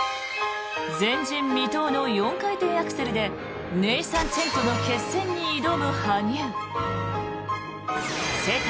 前人未到の４回転アクセルでネイサン・チェンとの決戦に挑む羽生。